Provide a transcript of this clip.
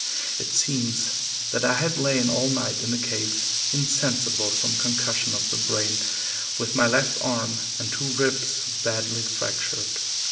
It seems that I had lain all night in the cave insensible from concussion of the brain, with my left arm and two ribs badly fractured.